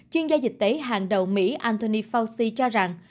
chuyên gia dịch tế hàng đầu mỹ antony fauci cho rằng